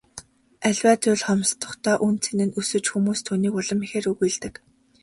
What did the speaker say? Аливаа зүйл хомсдохдоо үнэ цэн нь өсөж хүмүүс түүнийг улам ихээр үгүйлдэг.